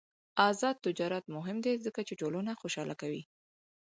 آزاد تجارت مهم دی ځکه چې ټولنه خوشحاله کوي.